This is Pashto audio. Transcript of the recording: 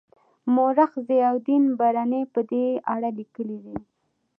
مورخ ضیاالدین برني په دې اړه لیکلي دي.